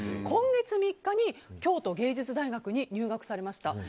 今月３日に京都芸術大学に入学されました。